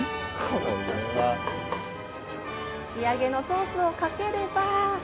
仕上げのソースをかければ。